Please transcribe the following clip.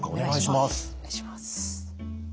お願いします。